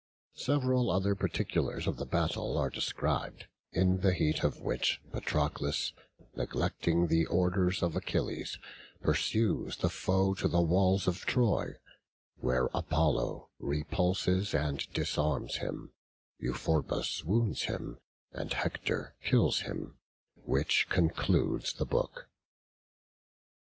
Several other particulars of the battle are described; in the heat of which, Patroclus, neglecting the orders of Achilles, pursues the foe to the walls of Troy; where Apollo repulses and disarms him, Euphorbus wounds him, and Hector kills him: which concludes the book. BOOK XVI.